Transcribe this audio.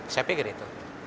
saya pikir itu